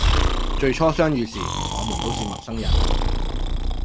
最初相遇時我們都是陌生人